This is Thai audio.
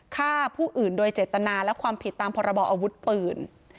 ฆ่าผู้อื่นโดยเจตนาและความผิดตามพรบออาวุธปืน